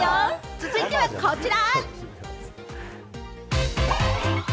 続いてはこちら！